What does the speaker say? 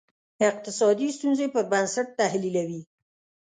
اقتصادي ستونزې پر بنسټ تحلیلوي.